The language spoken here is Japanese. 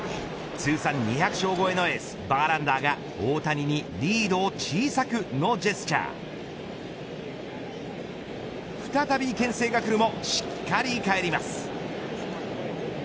通算２００勝超えのエースバーランダーが大谷にリードを小さくのジェスチャー再びけん制が来るもしっかりかえります。